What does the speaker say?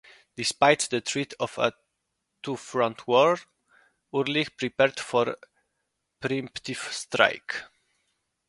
Despite the threat of a two-front war, Ulrich prepared for an preemptive strike.